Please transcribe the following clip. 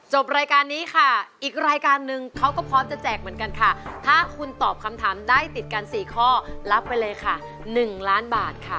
รายการนี้ค่ะอีกรายการนึงเขาก็พร้อมจะแจกเหมือนกันค่ะถ้าคุณตอบคำถามได้ติดกัน๔ข้อรับไปเลยค่ะ๑ล้านบาทค่ะ